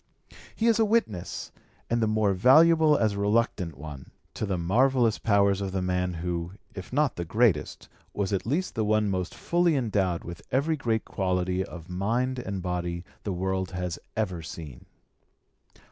He is a witness, and the more valuable as a reluctant one, to the marvellous powers of the man who, if not the greatest, was at least the one most fully endowed with every great quality of mind and body the world has ever seen.